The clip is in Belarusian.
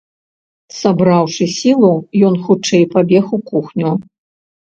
Сабраўшы сілу, ён хутчэй пабег у кухню.